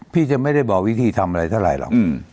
จะไม่ได้บอกวิธีทำอะไรเท่าไรหรอก